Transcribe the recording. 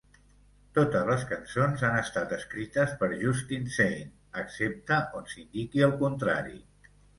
Totes les cançons han estat escrites per Justin Sane, excepte on s'indiqui el contrari.